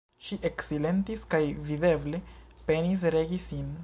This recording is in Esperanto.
Ŝi eksilentis kaj videble penis regi sin.